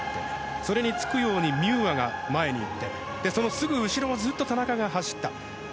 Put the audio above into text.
それにつくようにミューアがいってそして後ろを田中が走った。